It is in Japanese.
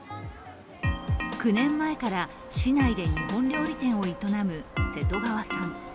９年前から市内で日本料理店を営む瀬戸川さん。